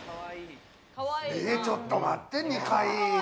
ちょっと待って２階。